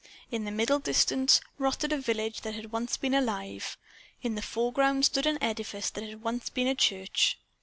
In the middle distance rotted a village that had once been alive. In the foreground stood an edifice that had once been a church.